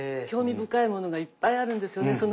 興味深いものがいっぱいあるんですよね。